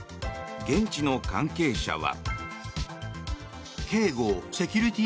現地の関係者は。